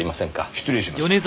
失礼します。